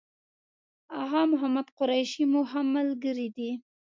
آغا محمد قریشي مو هم ملګری دی.